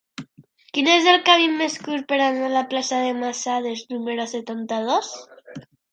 Quin és el camí més curt per anar a la plaça de Masadas número setanta-dos?